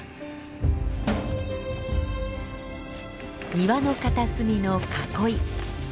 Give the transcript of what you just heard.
庭の片隅の囲い。